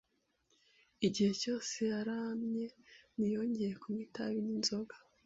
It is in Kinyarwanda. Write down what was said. igihe cyose yaramye, ntiyongeye kunywa itabi n’inzoga